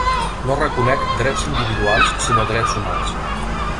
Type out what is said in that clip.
No reconec drets individuals sinó drets humans.